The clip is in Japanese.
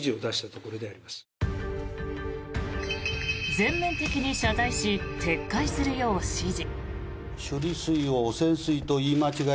全面的に謝罪し撤回するよう指示。